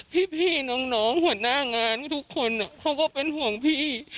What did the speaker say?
พี่น้องหัวหน้างานทุกคนเขาก็เป็นห่วงพี่